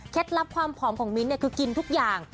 ลับความผอมของมิ้นคือกินทุกอย่าง